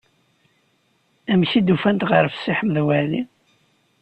Amek i d-ufant ɣef Si Ḥmed Waɛli?